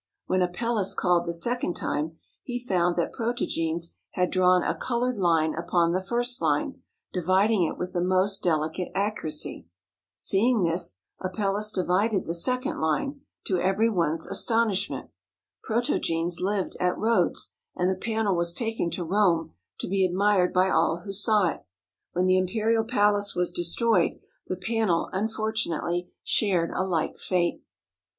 When Apelles called the second time he found that Protogenes had drawn a colored line upon the first line, dividing it with the most delicate accuracy. Seeing this, Apelles divided the second line, to every one's astonishment. Protogenes lived at Rhodes, and the panel was taken to Rome to be admired by all who saw it. When the imperial palace was destroyed, the panel unfortunately shared a like fate.